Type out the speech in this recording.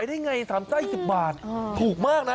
ได้ไง๓ไส้๑๐บาทถูกมากนะ